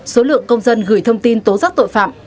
số lượng công dân gửi thông tin tố giác tội phạm